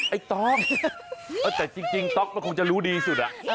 ไอ้ต๊อกแต่จริงต๊อกมันคงจะรู้ดีสุด